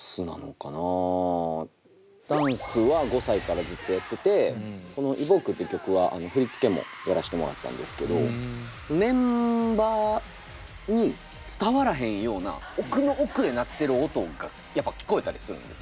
ダンスは５歳からずっとやってて「Ｅｖｏｋｅ」って曲は振り付けもやらしてもらったんですけどメンバーに伝わらへんような奥の奥へ鳴ってる音がやっぱ聞こえたりするんですよね。